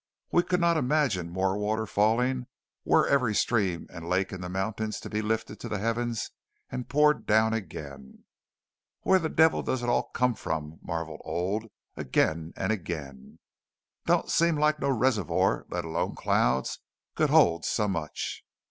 We could not imagine more water falling were every stream and lake in the mountains to be lifted to the heavens and poured down again. "Where the devil does it all come from?" marvelled Old, again and again. "Don't seem like no resevoy, let alone clouds, could hold so much!"